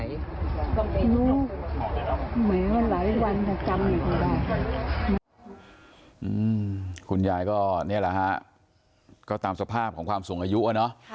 คุณยายก็นี่แหละฮะก็ตามสภาพของความสูงอายุอ่ะเนอะ